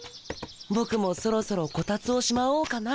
僕もそろそろコタツをしまおうかな。